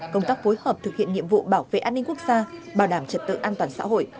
công tác phối hợp thực hiện nhiệm vụ bảo vệ an ninh quốc gia bảo đảm trật tự an toàn xã hội